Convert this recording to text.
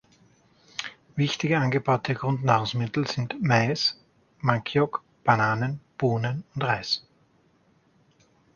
Wichtige angebaute Grundnahrungsmittel sind Mais, Maniok, Bananen, Bohnen und Reis.